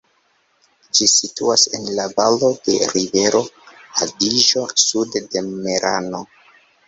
Ĝi situas en la valo de rivero Adiĝo sude de Merano.